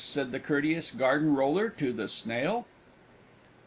said the courteous Garden Roller to the Snail.